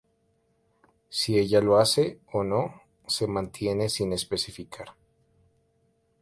Si ella lo hace o no, se mantiene sin especificar.